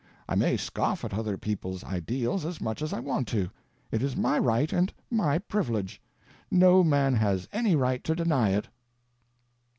I may scoff at other people's ideals as much as I want to. It is my right and my privilege. No man has any right to deny it."